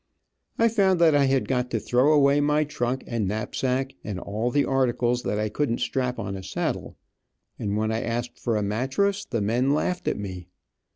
I found that I had got to throw away my trunk and knapsack, and all the articles that I couldn't strap on a saddle, and when I asked for a mattress the men laughed at me.